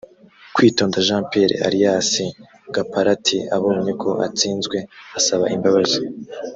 kwitonda jean pierre alias gaparati abonye ko atsinzwe asaba imbabazi